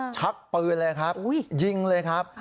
ชักปืนเลยครับยิงเลยครับ